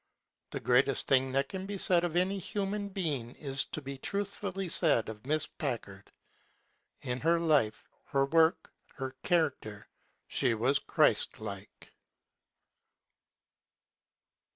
The greatest thing that can be said of any htunan being can be truthfully said of Miss Packard,— in her life, her work, her character she was Christlike.